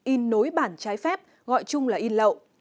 in nối bản trái phép gọi chung là in lậu